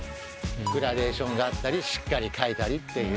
グラデーションがあったりしっかり描いたりっていう。